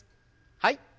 はい。